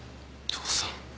父さん。